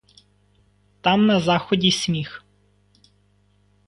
Там на заході сміх.